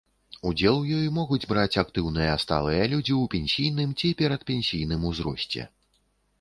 Удзел у ёй могуць браць актыўныя сталыя людзі ў пенсійным ці перадпенсійным узросце.